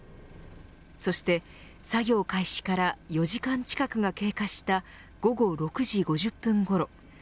そして、作業開始から４時間近くが経過した午後６時５０分ごろ